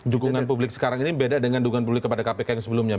dukungan publik sekarang ini beda dengan dukungan publik kepada kpk yang sebelumnya